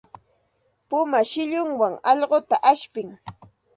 Puma shillunwan allquta ashpin.